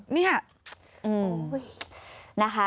นี่ค่ะ